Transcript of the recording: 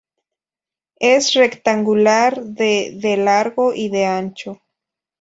Es rectangular, de de largo y de ancho.